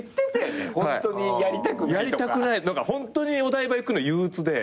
ホントにお台場行くの憂鬱で。